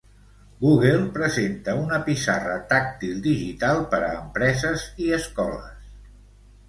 Google presenta una pissarra tàctil digital per a empreses i escoles.